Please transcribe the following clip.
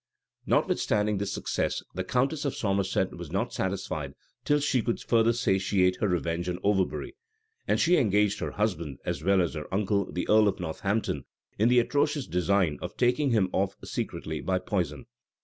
Notwithstanding this success, the countess of Somerset was not satisfied till she should further satiate her revenge on Overbury: and she engaged her husband, as well as her uncle, the earl of Northampton, in the atrocious design of taking him off secretly by poison.